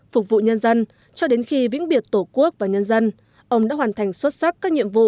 phục vụ nhân dân cho đến khi vĩnh biệt tổ quốc và nhân dân ông đã hoàn thành xuất sắc các nhiệm vụ